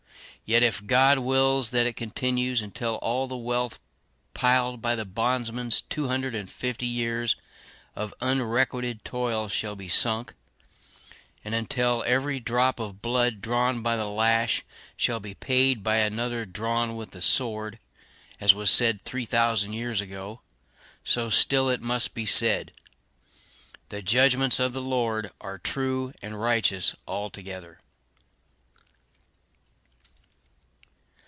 Yet, if God wills that it continue until all the wealth piled by the bondsman's two hundred and fifty years of unrequited toil shall be sunk, and until every drop of blood drawn by the lash shall be paid by another drawn with the sword, as was said three thousand years ago, so still it must be said, "The judgments of the Lord are true and righteous altogether."